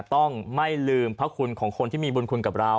ต้องไม่ลืมพระคุณของคนที่มีบุญคุณกับเรา